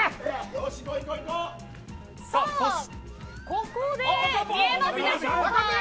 ここで見えますでしょうか。